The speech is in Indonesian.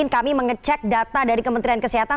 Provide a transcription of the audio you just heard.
kami mengecek data dari kementerian kesehatan